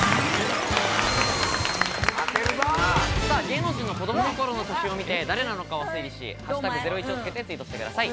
芸能人の子どもの頃の写真を見て誰なのかを推理し、「＃ゼロイチ」をつけてツイートしてください。